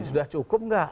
sudah cukup nggak